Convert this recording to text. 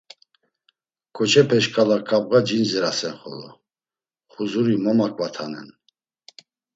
Ǩoçepe şǩala ǩabğa cindzirasen xolo, xuzuri momaǩvatanen.